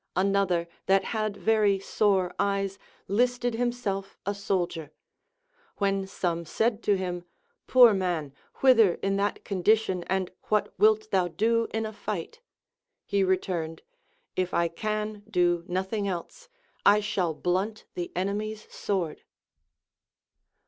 Another that had very sore eyes listed himself a soldier ; Avhen some said to him. Poor man, whither in that con dition, and what wilt thou do in a fight ] He returned, If Τ can do nothing else, 1 shall blunt the enemies' sword.